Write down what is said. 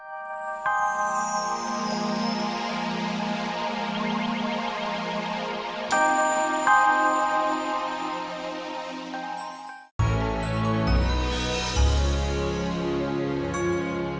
sampai jumpa lagi